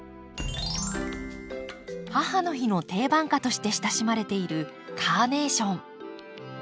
母の日の定番花として親しまれているカーネーション。